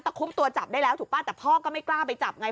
แต่คุ้มตัวจับได้แล้วถูกป่ะแต่พ่อก็ไม่กล้าไปจับไง